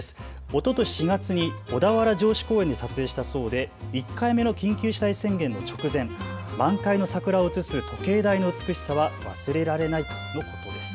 おととし４月に小田原城址公園で撮影したそうで１回目の緊急事態宣言の直前、満開の桜を映す時計台の美しさは忘れられないとのことです。